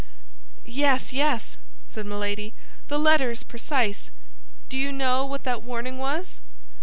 "Yes, yes," said Milady; "the letter is precise. Do you know what that warning was?"